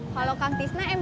kamu peng beneb